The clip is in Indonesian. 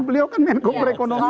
beliau kan menko perekonomian